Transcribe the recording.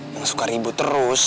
yang suka ribut terus